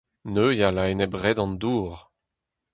Neuial a-enep red an dour.